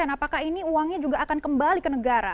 apakah ini uangnya juga akan kembali ke negara